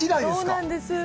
そうなんです。